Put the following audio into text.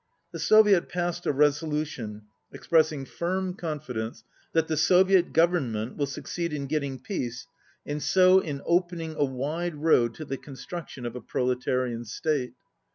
The Soviet passed a resolution expressing "firm 68 confidence that the Soviet Government will suc ceed in getting peace and so in opening a wide road to the construction of a proletarian state."